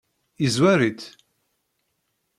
Yezwar-itt?